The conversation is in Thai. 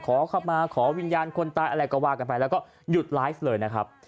ขอเข้ามาขอวิญญาณคนตายอะไรก็ว่ากันไปแล้วก็หยุดไลฟ์เลยนะครับ